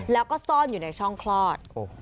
แล้วก็ซ่อนอยู่ในช่องคลอด